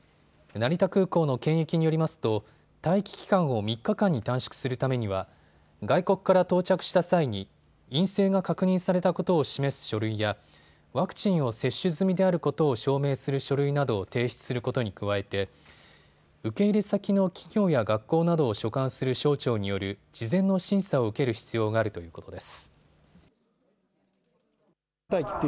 成田空港の検疫によりますと待機期間を３日間に短縮するためには外国から到着した際に陰性が確認されたことを示す書類やワクチンを接種済みであることを証明する書類などを提出することに加えて受け入れ先の企業や学校などを所管する省庁による事前の審査を受ける必要があるということです。